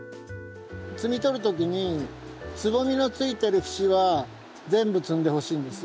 摘み取る時につぼみのついてる節は全部摘んでほしいんです。